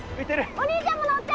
お兄ちゃんも乗って。